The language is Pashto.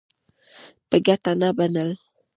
په ګټه نه بلل.